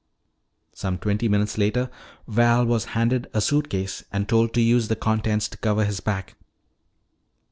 Some twenty minutes later Val was handed a suitcase and told to use the contents to cover his back.